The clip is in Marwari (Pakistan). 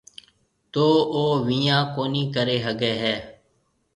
تو او ويهان ڪونِي ڪريَ هگھيََََ هيَ۔